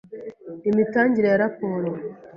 Imitangire ya raporo